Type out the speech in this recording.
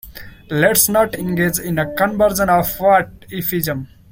Let's not engage in a conversion of what if-ism.